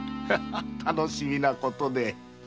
楽しみなことで。